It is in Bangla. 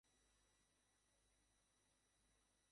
তিনি গোপিকাবাইকে বিয়ে করেছিলেন।